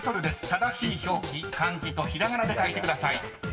正しい表記漢字とひらがなで書いてください］